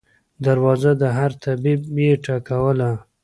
دروازه د هر طبیب یې ټکوله